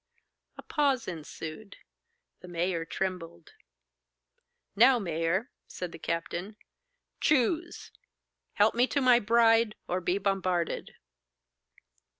A pause ensued. The mayor trembled. 'Now, mayor,' said the captain, 'choose! Help me to my bride, or be bombarded.